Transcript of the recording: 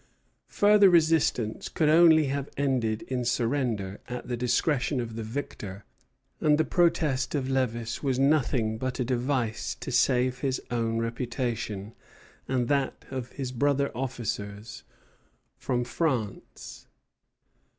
Further resistance could only have ended in surrender at the discretion of the victor, and the protest of Lévis was nothing but a device to save his own reputation and that of his brother officers from France.